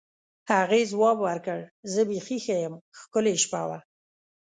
هغې ځواب ورکړ: زه بیخي ښه یم، ښکلې شپه وه.